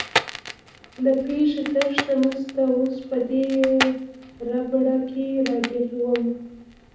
له پېښې تېښته نشته، اوس په دې ربړه کې راګیر ووم.